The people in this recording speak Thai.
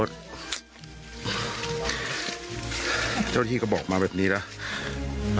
เจ้าหน้าที่ก็บอกมาแบบนี้นะ